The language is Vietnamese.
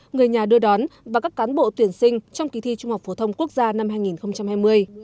người nhà đưa đón và các cán bộ tuyển sinh trong kỳ thi trung học phổ thông quốc gia năm hai nghìn hai mươi